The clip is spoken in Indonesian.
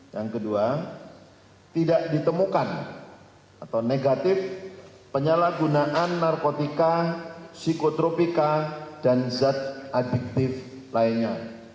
yang kedua tidak ditemukan atau negatif penyalahgunaan narkotika psikotropika dan zat adiktif lainnya